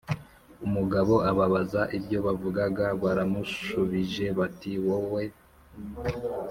umugabo ababaza ibyo bavugaga Baramushubije bati wowe